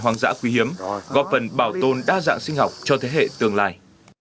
hoang dã quý hiếm góp phần bảo tồn đa dạng sinh học cho thế hệ tương lai